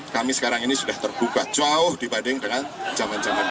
kami sekarang ini sudah terbuka jauh dibanding dengan zaman zaman